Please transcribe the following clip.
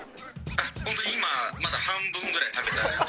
「本当に今まだ半分ぐらい食べた状態」